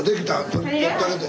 取ってあげて。